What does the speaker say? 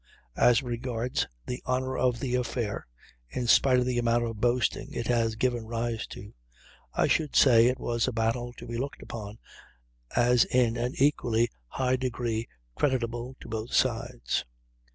As regards the honor of the affair, in spite of the amount of boasting it has given rise to, I should say it was a battle to be looked upon as in an equally high degree creditable to both sides.